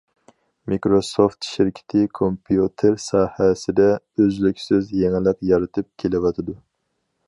مىكروسوفت شىركىتى كومپيۇتېر ساھەسىدە ئۈزلۈكسىز يېڭىلىق يارىتىپ كېلىۋاتىدۇ.